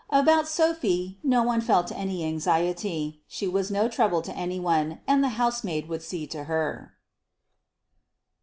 About Sophy no one felt any anxiety: she was no trouble to any one, and the housemaid would see to her.